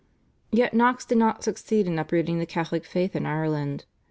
" Yet Knox did not succeed in uprooting the Catholic faith in Ireland.